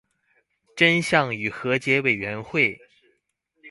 真相與和解委員會